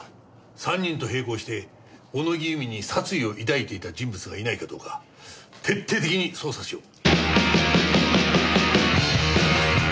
３人と並行して小野木由美に殺意を抱いていた人物がいないかどうか徹底的に捜査しよう。